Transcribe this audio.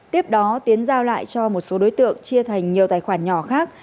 tiếp đó tiến giao lại cho một số đối tượng chia thành nhiều tài khoản nhỏ khác